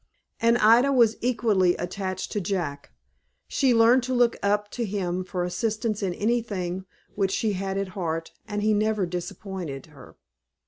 And Ida was equally attached to Jack. She learned to look up to him for assistance in anything which she had at heart, and he never disappointed her.